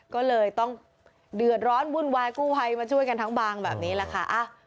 ก็เลยต้องวุ่นวายดืดร้อนกู้ไภมาช่วยกันทั้งบางแบบนี้ล่ะค่ะ